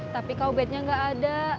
tapi kau bednya nggak ada